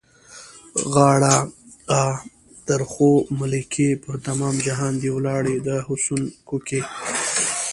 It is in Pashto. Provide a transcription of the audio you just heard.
غاړه؛ آ، درخو ملکې! پر تمام جهان دې ولاړې د حُسن کوکې.